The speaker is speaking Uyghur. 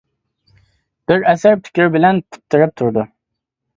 بىر ئەسەر پىكىر بىلەن پۇت تىرەپ تۇرىدۇ.